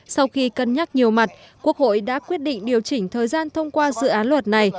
sau khi cân nhắc nhiều mặt quốc hội đã quyết định điều chỉnh thời gian thông qua dự án luật này